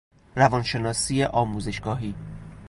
روان شناسی آموزشگاهی